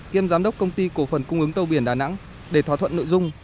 kiêm giám đốc công ty cổ phần cung ứng tàu biển đà nẵng để thỏa thuận nội dung